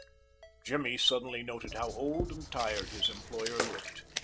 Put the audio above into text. Jimmy suddenly noted how old and tired his employer looked.